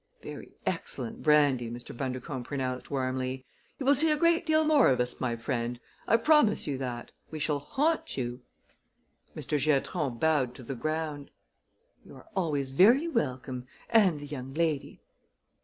"Very excellent brandy!" Mr. Bundercombe pronounced warmly. "You will see a great deal more of us, my friend. I promise you that. We shall haunt you!" Mr. Giatron bowed to the ground. "You are always very welcome and the young lady!"